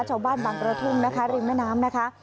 ชาวบ้านบางกระทุ่มนะคะริมแม่น้ำนะคะ